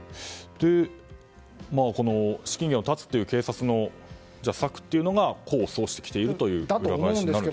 資金源を断つという警察の策というのが功を奏してきているという話になると思うんですが。